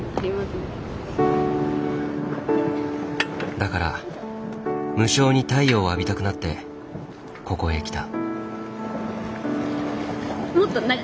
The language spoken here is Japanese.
だから無性に太陽を浴びたくなってここへ来た。